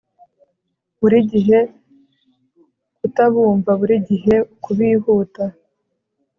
burigihe kutabumva, burigihe kubihuta